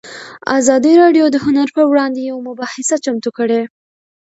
ازادي راډیو د هنر پر وړاندې یوه مباحثه چمتو کړې.